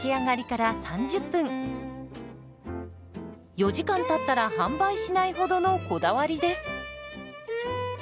４時間たったら販売しないほどのこだわりです。